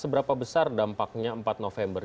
seberapa besar dampaknya empat november